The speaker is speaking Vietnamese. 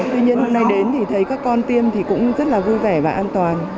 tuy nhiên hôm nay đến thì thấy các con tiêm thì cũng rất là vui vẻ và an toàn